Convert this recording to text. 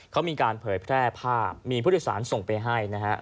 เขามีการเผยแพร่ภาพมีพฤติศาลส่งไปให้นะครับ